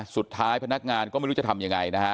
พนักงานก็ไม่รู้จะทำยังไงนะฮะ